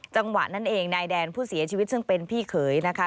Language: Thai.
จังหวะนั้นเองนายแดนผู้เสียชีวิตซึ่งเป็นพี่เขยนะคะ